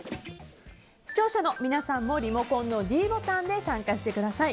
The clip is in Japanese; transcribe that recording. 視聴者の皆さんもリモコンのｄボタンで参加してください。